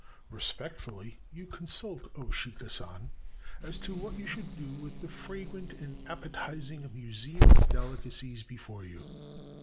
Respectfully you consult 0 Shika San as to what you should do with the fragrant and appetizing museum of delicacies before you.